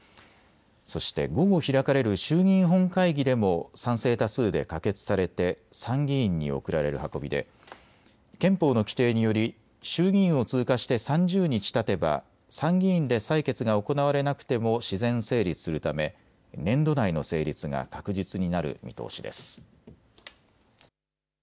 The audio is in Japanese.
そして午後、開かれる衆議院本会議でも賛成多数で可決されて参議院に送られる運びで憲法の規定により衆議院を通過して３０日たてば参議院で採決が行われなくても自然成立するため年度内の成立が確実になる見通しです。